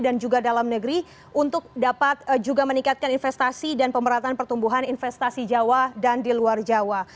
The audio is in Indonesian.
dan juga dalam negeri untuk dapat juga meningkatkan investasi dan pemerhatan pertumbuhan investasi jawa dan di luar jawa